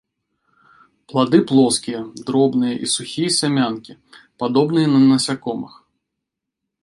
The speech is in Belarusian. Плады плоскія, дробныя і сухія сямянкі, падобныя на насякомых.